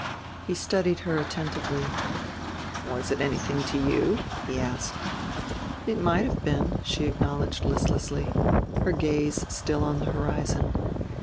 He studied her attentively. "Was it anything to you?" he asked. "It might have been," she acknowledged listlessly, her gaze still on the horizon.